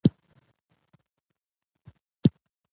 افغانستان په خپلو سیلابونو باندې پوره او مستقیمه تکیه لري.